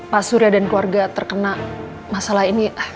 pak surya dan keluarga terkena masalah ini